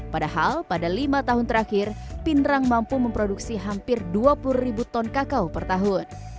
padahal pada lima tahun terakhir pindrang mampu memproduksi hampir dua puluh ribu ton kakao per tahun